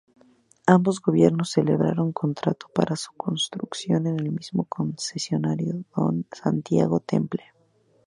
Ambos gobiernos celebraron contrato para su construcción con el mismo concesionario: Don Santiago Temple.